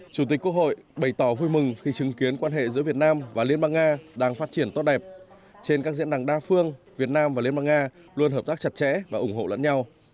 chủ tịch quốc hội bày tỏ vui mừng khi chứng kiến quan hệ giữa việt nam và liên bang nga đang phát triển tốt đẹp trên các diễn đàn đa phương việt nam và liên bang nga luôn hợp tác chặt chẽ và ủng hộ lẫn nhau